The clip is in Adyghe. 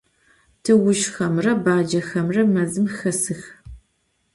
Tığuzjxemre bacexemre mezım xesıx.